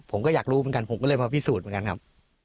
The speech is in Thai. ผมก็อยากรู้เหมือนกันผมก็เลยมาพิสูจน์เหมือนกันครับ